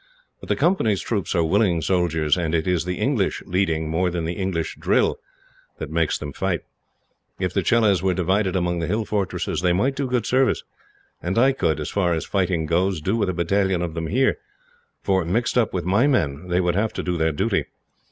But the Company's troops are willing soldiers, and it is the English leading, more than the English drill, that makes them fight. If the Chelahs were divided among the hill fortresses they might do good service; and I could, as far as fighting goes, do with a battalion of them here; for, mixed up with my men, they would have to do their duty.